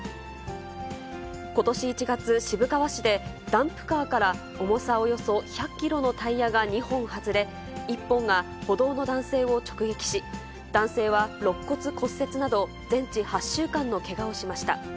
ことし１月、渋川市でダンプカーから重さおよそ１００キロのタイヤが２本外れ、１本が歩道の男性を直撃し、男性はろっ骨骨折など、全治８週間のけがをしました。